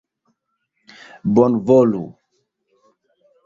bonvolu